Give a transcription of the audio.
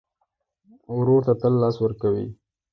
ورور ته تل لاس ورکوې.